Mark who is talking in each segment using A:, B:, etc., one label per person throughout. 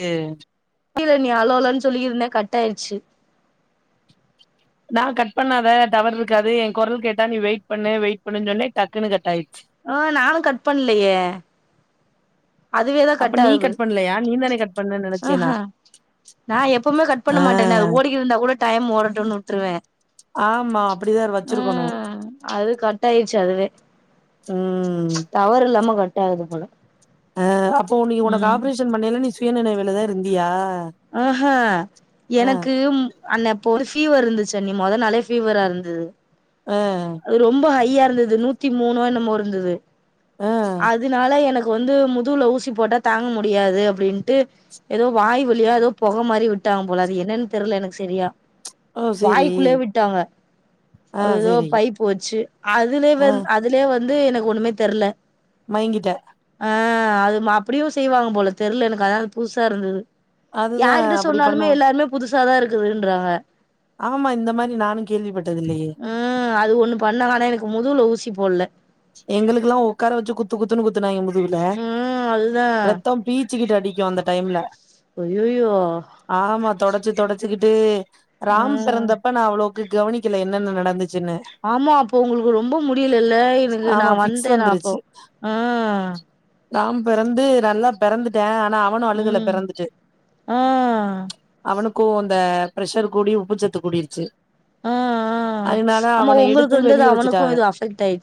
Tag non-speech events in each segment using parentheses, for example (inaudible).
A: ஏ
B: கீல நீ அலோ அலோன்னு சொல்லிகிருந்த கட் ஆயிருச்சு
A: நா கட் பண்ணாத டவர் இருக்காது எ குரல் கேட்டா நீ வெயிட் பண்ணு வெயிட் பண்ணு சொன்னே டக்குனு கட் ஆயிடுச்சி
B: ஆ நானு கட் பண்லயே
A: அப்ப நீ
B: ஆகுது
A: கட் பண்லையா நீ தான கட் பண்ண நெனைச்சே நா
B: ஆஹா நா எப்பமே கட் பண்ண
A: ஆ
B: மாட்டனே அது ஓடிட்டு இருந்தா கூட டைம் ஓடட்டுனு உட்ருவே
A: ஆமா அப்டிதா வச்சிருக்கணு
B: ம் அது கட் ஆயிச்சு அதுவே
A: ம்
B: ட ஆகுது போல
A: ஆ அப்போ நீ உனக்கு
B: ம்
A: ஆப்ரேஷன் பண்ணையில நீ சுயநினைவுல தா இருந்தியா
B: உஹூ
A: ஆ
B: எனக்கு அண்ண அப்போ வந்து ஃபீவர் இருந்துச்சி அண்ணி மொத நாளே ஃபீவரா இருந்துது
A: அஹ்
B: ரொம்ப ஹைய்யா இருந்தது நூத்தி மூணோ என்னமோ இருந்துது
A: ஆ
B: அதனால எனக் கு வந்து முதுல ஊசி போட்டா தாங்க முடியாது அப்டின்ட்டு எதோ வாயி வழியா எதோ பொக மாரி உட்டாங்க போல அது என்னன்னு தெர்ல எனக்கு செரியா
A: ஓ சேரி
B: வாய்க்குள்ளே விட்டாங்க
A: ஆ
B: அது எதோ
A: சேரி
B: பைப்பு வச்சு அதுலயே
A: ஆ
B: வந் அ அதுலே வந்து எனக்கு ஒண்ணுமே தெர்ல
A: மயங்கிட்ட
B: ஆஹ் அது மா அப்டியு செய்வாங்க போல தெர்ல எனக்கு அதா புதுசா இருந்தது
A: அதுதா
B: யார்கிட்ட
A: அப்டி
B: சொன்னாலுமே
A: பண்ணுவோ
B: எல்லாமே புதுசா தா இருக்குதுன்றாங்க
A: ஆமா இந்த மாரி நானு கேள்விப்பட்டது இல்லையே
B: ம் அது ஒண்ணு பண்ணாங்க ஆனா எனக்கு முதுல ஊசி போட்ல
A: எங்களுக்கெல்லா உக்கார வச்சி குத்து குத்துன்னு குத்துனாங்க முதுல
B: ம் அதுதா
A: ரத்தோ பீச் சிக்கிட்டு அடிக்கு அந்த டைம்ல
B: அய்யயோ
A: ஆமா தொடச்சு தொடச்சிக்கிட்டு ராம்
B: ம்
A: பிறந்த ப்ப நா அவ்ளோக்கு கவனிக்கல என்னென்ன நடந்துச்சுன்னு
B: ஆமா அப்போ உங்களுக்கு ரொம்ப முடியலல்ல எனகு நா
A: ஆமா ஃபிக்ஸ்
B: வந்தே நா அப்போ அ
A: நாம் பெறந்து நல்லா பெறந்துட்டே ஆனா அவனு அழுகல
B: ம்
A: பெறந்துட்டு
B: ஆ
A: அவனுக்கு அந்த ப்ரஷர் கூடி உப்புச்சத்து கூடிடுச்சு
B: அ ஆ ஆமா உங்களுக்கு
A: எடுத்து
B: இருந்தது
A: வெளிய
B: அவனுக்கு
A: வச்சுட்டாங்க
B: இது அஃபெக்ட் ஆயி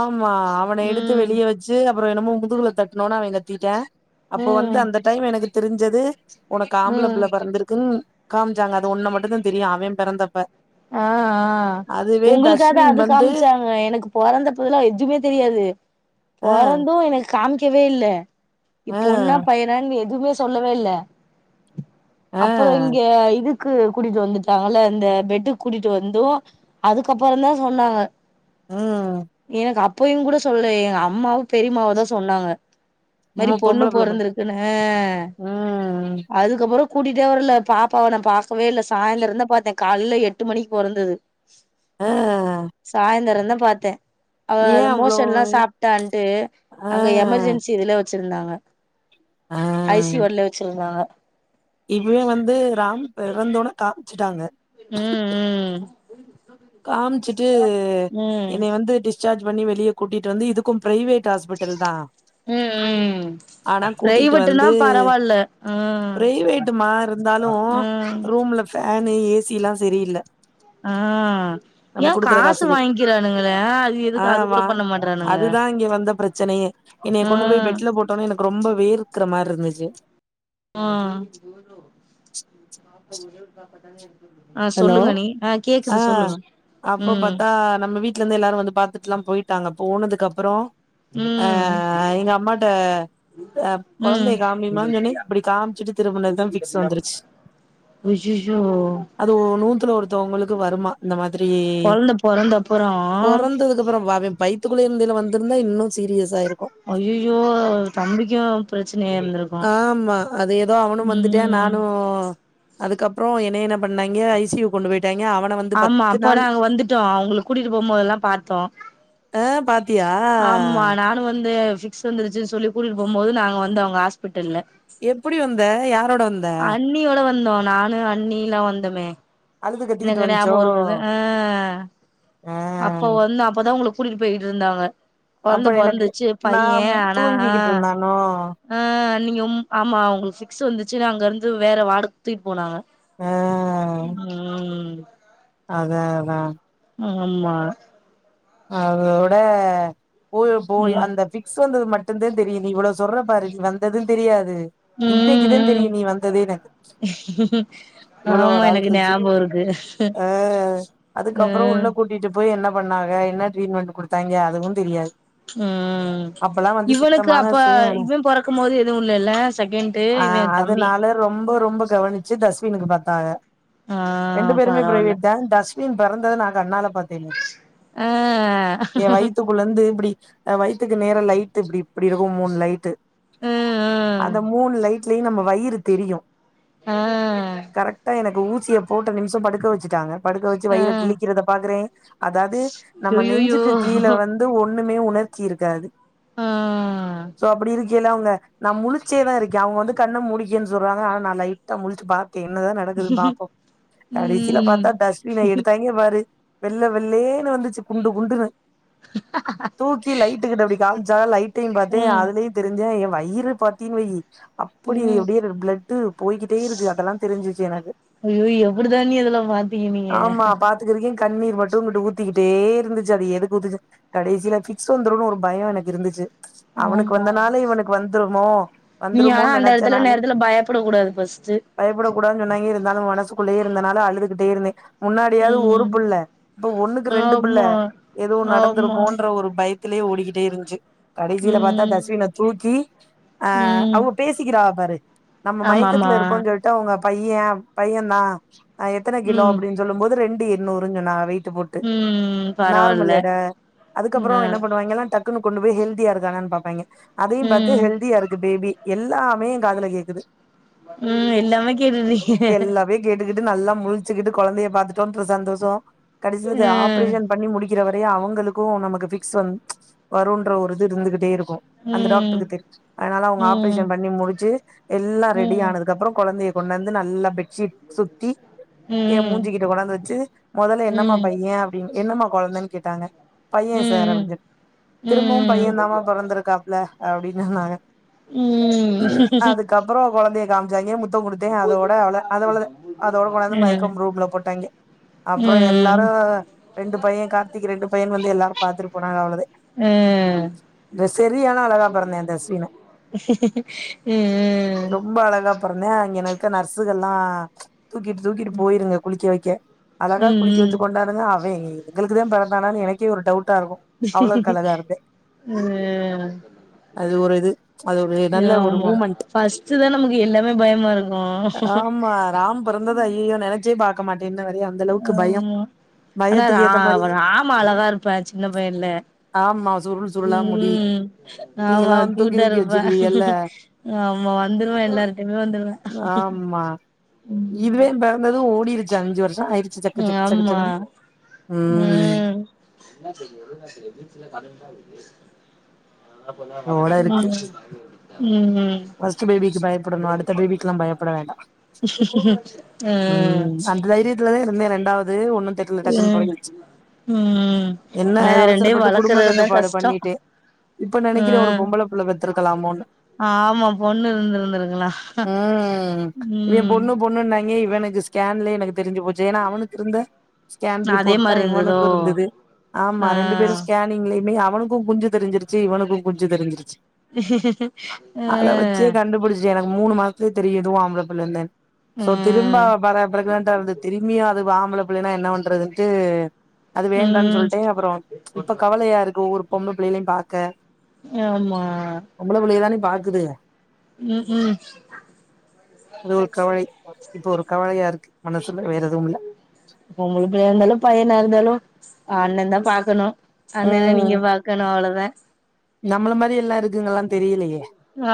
A: ஆமா அவன எடுத்து வெளிய வச்சு அப்பறோ என்னமோ முதுகுல தட்னோனே அவெ கத்திட்டா அப்போ வந்து
B: ம்
A: அந்த டைம் எனக்கு தெரிஞ்சது உனக்கு ஆம்பள
B: ம்
A: புள்ள பெறந்திருக்குன் காமிசாங்க அது ஒன்ன மட்டுந்தா தெரியு அவெ பெறந்தப்ப
B: ஆ ஆ உங்களுக்காது அது
A: வந்து
B: காமிச்சாங்க எனக்கு பொறந்த போதுல்லா எதுவுமே தெரியாது
A: ஆ
B: பொறந்து எனக்கு காமிக்கவே இல்ல இ
A: ஆ
B: பொண்ணா பையனானு எதுவுமே சொல்லவே இல்ல
A: ஆ
B: அப்பறோ இங்க இதுக்கு கூட்டிட்டு வந்துட்டாங்கல இந்த பெட்டு கூட்டிட்டு வந்தூ அதுக்கப்பறந்தா சொன்னாங்க
A: ம்
B: எனக்கு அப் பயு கூட சொல்ல எங்க அம்மாவு பெரிமாவுதா சொன்னாங்க இந்
A: நம்ம
B: மாரி பொண்ணு
A: பொம்பள புள்ள பா
B: பொறந்தருக்குன்னு அ
A: ம்
B: அதுக்கப்பறோ கூட்டிட்டே வரல பாப்பாவ நா பாக்கவே இல்ல சாயந்தரந்தா பாத்தே காலைல எட்டு மணிக்கு பொறந்தது
A: ஆ
B: சாய்ந்தரந்தா பாத்த அவ
A: ஏ
B: அது
A: அவ்ளோ
B: மோஷன்லா சாப்ட்டான்ட்டு
A: ஆ
B: அங்க எமர்ஜென்சி இதுல வச்சிருந்தாங்க
A: ஆ
B: ஐ சி வார்டுலே வச்சிருந்தாங்க
A: இவெ வந்து ராம் பிறந்தோனே காமிச்சிட்டாங்க
B: ம் ம்
A: காமிச்சுட்டு
B: ம்
A: என்னைய வந்து டிஸார்ஜ் பண்ணி வெளியே கூட்டிட்டு வந்து இதுக் கும் பிரைவேட் ஹாஸ்பிட்டல்தா
B: ம் ம்
A: ஆனா கூட்டிட்டு
B: பிரைவேட்டுனா
A: வந்து
B: பரவால்ல ம்
A: பிரைவேட் மார் இருந்தாலு
B: ம்
A: ரூம்ல ஃபேனு ஏ சி ல்லா சரியில்ல
B: ஆ
A: நம்ம
B: ஏ
A: குடுக்குற
B: காசு
A: காசுக்கு
B: வாங்கிக்கிறானுங்களே அது
A: ஆ
B: எதுக்கு அது கூட
A: வா
B: பண்ண மாட்றானுங்க
A: அதுதா இங்க வந்த பிரச்சனையே என்னைய கொண்டு போய்
B: ம்
A: பெட்ல போட்டோனோ எனக்கு ரொம்ப வேர்க்கிற மார்ருந்துச்சு
B: ஆ
A: ஹலோ
B: சொல்லுங்க அண்ணி
A: ஆ
B: கேக்குது சொல்லுங்க
A: அப்றொ
B: ம்
A: பாத்தா நம்ம வீட் ட்லந்து எல்லாரு வந்து பாத்துட்டுலா போயிட்டாங்க போனதுக்கப்றோ அ
B: ம்
A: அ எங்க அம்மாட்ட அ
B: ம்
A: கொழந்தைய காமிமான்னு சொன்னே இப்டி காமிச்சுட்டு திரும்புனதுதா பிக்ஸ் வந்துருச்சு
B: ஐயயோ
A: அது ஒ நூத்துல ஒருத்தவங்களுக்கு வருமா இந்த மாதிரி
B: கொழந்த பொறந்த அப்புறோ
A: பொறந்ததுக்கப்பறம் பாப்ப பை த்துக்குள்ள இருந்தைல வந்துருந்தா இன்னு சீரியஸாயிருக்கு
B: அய்யயோ தம்பிக்கு பிரச்சனைய இரு
A: ஆமா அதேதா அவனு வந்துட்டே
B: ம்
A: நானும் அதுக்கப்பறோ என்னய என்ன பண்ணாங்க ஐ சி யு கொண்டு போயிட்டாங்க அவன்
B: ஆமா அப்போ நாங்க வந்துட்டோ அ ஒங்கள கூட்டிகிட்டு போம்போதெல்லா பாத்தோ
A: ஆ பாத்தியா
B: ஆமா நானு வந்தே பிக்ஸ் வந்துருச்சுன் சொல்லி கூட்டிட்டு போம்போது நாங்க வந்தோ ஒங்க ஹாஸ்பிட்டல்ல
A: எப்படி வந்த யாரோட வந்
B: அன்னியோட வந்தோ நானு அன்னில்லா வந்தமே
A: அழுது கத்திக்கிட்டு
B: எனக்கு
A: வந்துச்சோ
B: ஞாபகம் இருக்குது ஆ
A: ஆ
B: அப்ப வந்து அப்பதா உங்களுக் கூட்டிட்டு போயிட்ருந்தாங்க
A: அப்ப
B: கொழந்த
A: எனக்கு
B: பொறந்துச்சு பைய ஆனா
A: நோ
B: ஆ நீங்க ம் ஆமா உங்களுக்கு பிக்ஸ் வந்துச்சுன்னு அங்க இருந்து வேற வாடுக் தூக்கிட் போனாங்க
A: ஆ
B: ம்
A: அதா அதா
B: ஆமா
A: அதோட போய் போய்
B: ம்
A: அந்த பிக் சொல்றது மட்டுந்தா தெரியும் நீ இவ்வளவு சொல்ற பாரு நீ வந்ததும் தெரியாது இன்னைக்கு தா
B: ம் ம்
A: தெரியும் நீ வந்ததே எனக்கு
B: (inaudible)
A: இவ்ளோ
B: ஆமா
A: நாள்
B: எனக்கு
A: கழிச்சி
B: ஞாபகோ இருக்கு
A: ஆ அதுக்கப்பறம் உள்ள
B: ம்
A: கூட் கூட்டிட்டு போய் என்ன பண்ணாங்க என்ன ட்ரீட்மென்ட் குடுத்தாங்க அதுவும் தெரியாது
B: ம்
A: அப்பல்லா வந்து
B: இவளுக்கு
A: சுத்தமான
B: அப்ப
A: சுயநலம்
B: இவ்வ பொறக்கும் போது எதுவும் இல்லல செகண்டு
A: ஆ
B: இவ்வ எ தம்பி
A: அதனால ரொம்ப ரொம்ப கவனிச்சு தஸ்வினுக்கு பாத்தாக
B: ஆ
A: ரெண்டு பேருமே
B: பரவால்ல
A: பிரைவேட் தா தஸ் இவ பிறந்தத நா கண்ணால பாத்தேனே
B: ஆ
A: ஏ வயித்துக்குள்ளந்து இப்படி வயித்துக்கு நேர லைட் இப்படி இப்படி இருக்கும் மூணு லைட்டு
B: ஆ ஆ
A: அந்த மூணு லைட்லயும் நம்ம வயிறு தெரியும்
B: ஆ
A: கரெக்டா எனக்கு ஊசிய போட்ட நிமிஷம் படுக்க வச்சுட்டாங்க படுக்க வச்சு
B: ஆ
A: வயிற கிழிக்கிறத பாக்குறே அதாது நம்ம
B: அய்யய்யோ
A: நெஞ்சுக்கு கீழ வந் வந்து ஒண்ணுமே உணர்ச்சி இருக்காது
B: ஆ
A: சோ அப்படி இருக்கேய்ல அவங்க நா முழிச்சேதா இருக்கே அவங்க வந்து கண்ண மூடிக்கேன்னு சொல்றாங்க ஆனா நா லைட்டா முழிச்சு பா என்னதா நடக்குது பாப்போம் கடைசில
B: ம்
A: பாத்தா டஸ்வின எடுத்தாங்க பாரு வெள்ள வெள்ளேன்னு வந்துச்சு குண்டு குண்டுன்னு தூக்கி லைட்டு கிட்ட அப்டி காம்ச்சாக லைட்டையும் பாத்தே
B: ம்
A: அதுலயும் தெரின்ச எ வயிறு பாத்தீன் வையி அப்படி
B: ம்
A: எப்படியே பிளட்டு போய்கிட்டே இருக்கு அதெல்லா தெரிஞ்சிச்சு எனக்கு
B: ஐயோ எப்டிதா தண்ணி இதெல்லாம் பாத்தீங்க நீங்க
A: ஆமா பாத்துக்கிருக்கே கண்ணீர் மட்டும் இங்குட்டு ஊத்திக்கிட்டே இருந்துச்சு அது எதுக்கு ஊத்துச்சு கடைசியில பிக்ஸ் வந்துருனு ஒரு பயொ எனக்கு இருந்துச்சு அவனுக்கு
B: ஆமா
A: வந்தனாலே இவனுக்கு வந்துருமோ
B: நீ ஆனா
A: வந்துருமோன்னு
B: அந்த எடத்துல நேரத்துல பயப்படக் கூடாது ஃபஸ்ட்டு
A: பயப்படக்கூடாதுனு சொன்னாங்கே இருந்தாலும் மனசுக்குள்ளே இருந்தனால அழுதுகிட்டே இருந்தே முன்னாடியாவது ஒரு
B: ம்
A: புள்ள இப்ப ஒன்னுக்கு ரெண்டு புள்ள
B: ஆமா
A: எதுவும்
B: ஆமா
A: நடந்துருமோன்ற ஒரு பய லயே ஓடிக்கிட்டே இருந்ச்சு கடைசில பாத்தா
B: ம்
A: தஸ்வின தூக்கி ஆ
B: ம்
A: அவ்க பேசிக்கிறாக பாரு நம்ம
B: ஆமாமா
A: மயக்கத்துல இருக்கோ சொல்லிட் ட உங்க பைய பைய தா அ எத்தன கிலோ
B: ம்
A: அப்டின்னு சொல்லும் போது ரெண்டு எண்ணூறுன்னு சொன்னாங்க வெய்ட்டு போட்
B: ம்ம்
A: நார்மல் எட அதுக்கப்றோ என்ன பண்ணுவாங்கேலா டக்குன்னு கொண்டு போய் ஹெல்தியா இருக்கானான்னு பாப்பாங்கே அதையும் பார்த்து
B: ம்
A: ஹெல்தியா இருக்கு பேபி எல்லாமே ஏ காதுல கேக்குது
B: ம் எல்லாமே கேட்டுட்டு இருக்கீக
A: கேட்டுட்டு நல்லா முழிச்சுக்கிட்டு கொழந்தைய பாத்துட்டோங்கிற சந்தோஷோ கடைசில
B: ம்
A: ஆப்ரேஷன் பண்ணி முடிக் க்கிற வரையு அவங்களுக்கும் நமக்கு பிக்ஸ் வ வரும்ன்ற ஒரு இது இருந்துகிட்டே ருக்கும் அந்த
B: ம்
A: டாக்டருக்கு தெ அதனால அவங்க
B: ம்
A: ஆப்ரேஷன் பண்ணி முடிச்சு எல்லா ரெடி
B: ம் ம்
A: ஆனதுக்கு அப் றோ கொழந்தைய கொண்டு வந்து நல்லா பெட்ஷீட் சுத்தி ஏன்
B: ம்
A: மூஞ்சிக்கிட்ட கொண்டுவந்து வச்சு முதல்ல
B: ம் ம் ம் ம் ம்
A: என்னம்மா பையே அப்டின்னு என்னமா கொழந்தன்னு கேட்டாங்க பையே சார் அப்டின்னு சொன்னே
B: ம்
A: திரும்பவும் பையே தாமா பொறந்திருக்காப்புல அப்டின்னு சொன்னாங்க
B: ம்
A: அதுக்கப்றோ கொழந்தைய காமிச்சாங்கே முத் முத்தம் கொடுத்தே அதோட அவ்ளோ அத அவளோ தா அதோட கொண்டாந்து மைக்கம் ரூம்ல போட்டாங்கே அப்றோ எல்லாரும் ரெண்டு பையே கார்த்திக் ரெண்டுபயே வந்து எல்லாரு பாத்துட்டு போனாங்க அவ்ளோதா
B: ஆ
A: ந்த செரியான அழகா பெறந்தா இந்த சீனு
B: ம் உம் உம்
A: ரொம்ப அழகா பொறந்தான் அங்கென இருக்க நர்ஸுகள்லா தூக்கிட்டு தூக்கிட்டு போயிருங்க குளிக்க வக்கெ அழகா குளிக்க
B: ம்
A: வச்சு
B: ம்
A: கொண்டாருங்க ஏய் எங்களுக்குதா பிறதானானு எனக்கே ஒரு டவுட்டாருக்கு
B: ஆ
A: அது ஒரு இது அது ஒரு நல்ல ஒரு
B: ஆமா
A: மூமெண்ட்
B: ஃபஸ்ட்டு தான் நமக்கு எல்லாமே பயமாருக்கும்
A: ஆமா ராம் பெறந்தத ஐய்யய்யோ நெனச்சே பாக்க மாட்டே இன்னவர அந்தளவுக்கு பயோ
B: ஆமா ஆனா ரா ராம் அழகா இருப்பா சின்ன பயன்ல
A: ஆமா சுருள் சுருளா முடி
B: உம் ஆமா
A: நீங்கல்லா வந்து தூக்கி
B: கியூட்டா
A: தூக்கி
B: ருப்பா
A: வச்சுக்குவீகல்ல
B: ஆமா வந்துருவான் எல்லார்ட்டைமே வந்துருவான்
A: இவே பெறந்ததும் ஓடிருச்சு அஞ்சு வர்ஷோ ஆயி
B: ஆமா ம் ம்
A: இதோட
B: ம் உம்
A: பஸ்ட் பேபிக்கு பயப்படணு அடுத்த பேபிக்கெல்லா பயப்பட வேண்டா
B: ம்
A: உம் அந்த தைரியத்துல தான் இருந்தே ரெண்டாவது ஒண்ணு பெத் ட்ருல டக்குனு
B: ம்
A: பழகிடிச்சு
B: ம்
A: என்ன
B: ஆனா இது ரெண்டையு
A: அவசரப்பட்டு குடும்ப
B: வளக்கறதுதா
A: கட்டுப்பாடு
B: கஷ்டோ
A: பண்ணிட்டே இப்ப நெனக்கிறே ஒரு
B: ம்
A: பொம்பள புள்ள பெத்துருக்கலாமோன்னு
B: ஆமா பொண்ணு இருந்திருந்திருக்கலா
A: உம் இவ
B: ம்
A: பொண்ணு பொண்ணு னாங் மீ இவனுக்கு ஸ்கேன்ல எனக்கு தெரிஞ்சு போச்சு ஏன்னா அவனுக்கு இருந்த ஸ்கேன்
B: அதே
A: ரிப்போர்ட் தா
B: மாரி இருந்ததோ
A: இவனுக்கு இருந்தது ஆமா
B: ஆ
A: ரெண்டு பேரும் ஸ்கே நீங்களுமே அவனுக்கு குஞ்சு தெரிஞ்சிருச்சு இவனுக்கு குஞ்சு தெரிஞ்சிருச்சு
B: ம்அம்
A: அத வச்சே கண்டுபுடிச்சே எனக்கு மூணு மாசத்துலே தெரியு இதுவு ஆம்பளபுள்ளனு இருந்தேன்
B: ஆ
A: சோ திரும்ப
B: ம்
A: பழ பிரக்னண்டா இருந்து திரும்பியு அது ஆம்பள புள்ளனா என்ன பண்றதுன்ட்டு அது வேண்டானு
B: ம்
A: சொல்லிட்டே அப்றோ இப்ப கவலையாருக்கு ஓவ்வொரு பொண்ணு பிள்ளைகளையும் பாக்க
B: ஆமா
A: பொம்பள புள்ளைக தானே பாக்குதுக
B: ம் ஹும்
A: இன்னு ஒரு கவலை இப்ப ஒரு கவலயாருக்கு மனசுல வேற எதுவுமில்ல
B: பொம்பள புள்ளயாருந்தாலு பையனாருந்தாலு அ அண்ணந்தா பாக்கணு அண்ணண நீங்க
A: ம்
B: பாக்கணு அவ்ள‌த
A: நம்மள மாரி எல்லா இருக்குங்களா தெரிலயே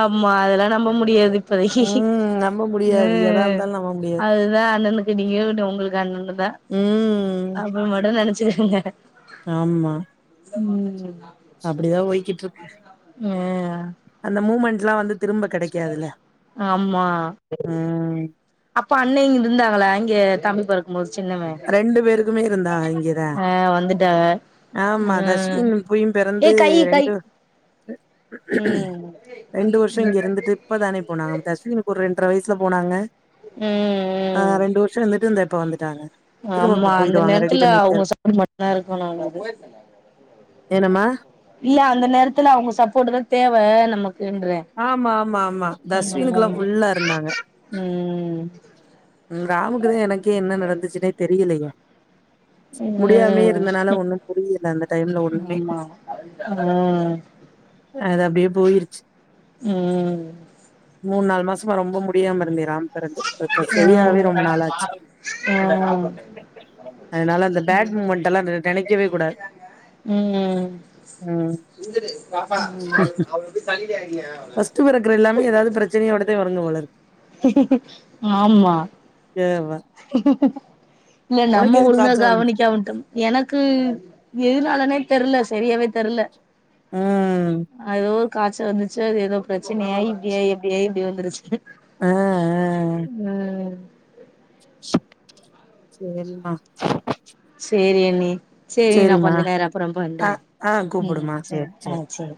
B: ஆமா அதல்லா நம்ப முடியாது இப்பதக்கி
A: ம் நம்ப முடியாது எதா
B: ம்
A: இருந்தாலு நம்ப முடியாது
B: அதுதா அண்ணனு க்கு நீங்க இங்குட்டு உங்களுக்கு அண்ணண்ணுதா
A: ம்
B: அப்டி மட்டு நெனச்சுக்கங்க
A: ஆமா
B: ம்
A: அப்டிதா போய்கிட்ருக்கு
B: ம்
A: அந்த மூமென்ட்லா வந்து திரும்ப கெடைக்காதுல்ல
B: ஆமா
A: ம்
B: அப்ப அண்ணே இங்குட்டு இந்தாங்களா இங்க தம்பி பொறக்
A: ரெண்டு பேருக்குமே இருந்தாக இங்கதா
B: ஆ வந்துட்டாக
A: ஆமா
B: ம்
A: தஷ்வின் புயு
B: ஏ
A: பெறந்து
B: கை கை
A: ரெண்டு
B: ம்
A: ரெண்டு வர்ஷோ இங்க இருந்துட்டு இப்பதானே போனாங் நம்ம தஷ்வின்க்கு ஒரு ரெண்ட்ற வய்சுல போனாங்க
B: ம்
A: ஆ ரெண்டு வர்ஷோ இருந்துட்டு இந்தா இப்போ வந்துட்டாங்க திரும்ப
B: ஆமா
A: இப்ப
B: அந்த
A: போயிருவாங்க ரெடி
B: நேரத்துல
A: பண்ணிட்டு
B: அவுங்க
A: இருக்
B: சப்போர்ட் மட்டுதா இருக்கணு நல்லது
A: என்னம்மா
B: இல்ல அந்த நேரத்துல அவுங்க சப்போர்ட்டு தா தேவ நமக்குன்றே
A: ஆமாமாமா தஷ்வினுக்ல்லா ஃபுல்லா இருந்தாங்க
B: (inaudible)
A: து என்ன நடந்துச்சுன்னே தெரிலயே
B: ம்
A: முடியாமே
B: ம்
A: இருந்தனால ஒண்ணு புரில அந்த டைம்ல ஒண்ணுமே
B: ஆமா
A: அது அப்டியே போயிருச்சு
B: ம்
A: மூன்நால் மாசமா ரொம்ப முடியாம இருந்தேராம் பெரன்டு படுக்க
B: ம்
A: சரியாவே
B: ம்
A: ரொம்ப நாள் ஆச்சு அதனால அந்த பேட் மூமெண்ட்டெல்லா நெனைக்கவே கூடாது
B: ம்
A: ம்
B: ம்
A: ஃபஸ்ட்டு பெறக்குற எல்லாமே எதாவ்து பிரச்சனையோடத்தே வருங்க போலரு
B: ஆமா
A: ஏ வ
B: இல்ல நம்ம
A: எதுக்கு
B: ஒழுங்கா
A: காச்சல் வந்துச்சு
B: கவனிக்காம விட்டமா எனக்கு எதுனாலனே தெர்ல செரியாவே தெர்ல
A: ம்
B: அதுஎதோ காச்ச வந்துச்சு அது எதோ ப்ரச்சனயாயி இப்டியாயி எப்டியாயி எப்டியோ வந்துருச்சு
A: ஆ ஆ
B: ம்
A: சேரிமா
B: சேரி அண்ணி சேரி நா
A: சரிம்மா
B: கொஞ்ச நேரோ அப்பறம்
A: ஆ
B: பண்றேன்
A: ஆ
B: ம்
A: கூப்புடுமா
B: சேரி ஆ சேரி